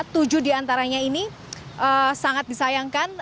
tujuh diantaranya ini sangat disayangkan